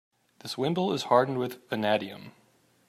This wimble is hardened with vanadium.